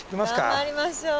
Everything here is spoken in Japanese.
頑張りましょう。